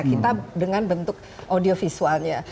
kita dengan bentuk audio visualnya